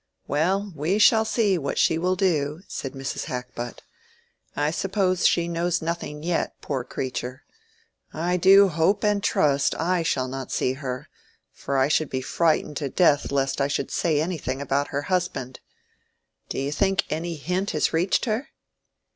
"Well, we shall see what she will do," said Mrs. Hackbutt. "I suppose she knows nothing yet, poor creature. I do hope and trust I shall not see her, for I should be frightened to death lest I should say anything about her husband. Do you think any hint has reached her?"